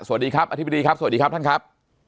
สวัสดีครับอธิบดีครับสวัสดีครับท่านครับ